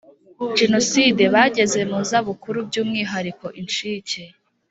Jenoside bageze mu zabukuru by umwihariko incike